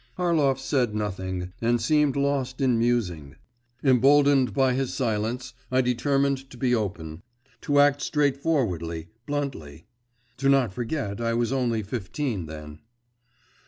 Harlov said nothing, and seemed lost in musing. Emboldened by his silence, I determined to be open, to act straightforwardly, bluntly. (Do not forget, I was only fifteen then.)